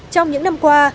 trong những năm qua